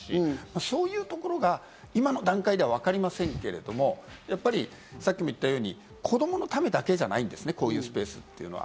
そういうところが今の段階ではわかりませんけれども、やっぱりさっきも言ったように、子供のためだけじゃないんですね、こういうスペースというのは。